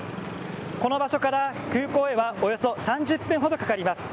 この場所から空港へはおよそ３０分ほどかかります。